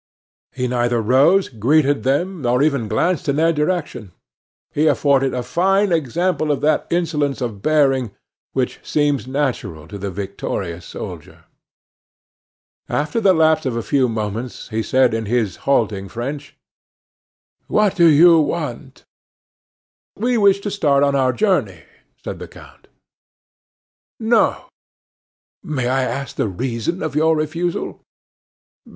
He neither rose, greeted them, nor even glanced in their direction. He afforded a fine example of that insolence of bearing which seems natural to the victorious soldier. After the lapse of a few moments he said in his halting French: "What do you want?" "We wish to start on our journey," said the count. "No." "May I ask the reason of your refusal?"